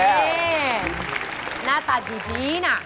นี่หน้าตาดูดีน่ะ